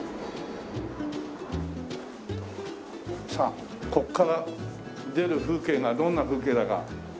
さあここから出る風景がどんな風景だか。